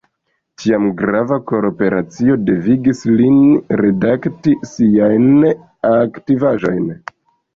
Tiam grava kor-operacio devigis lin redukti siajn aktivaĵojn.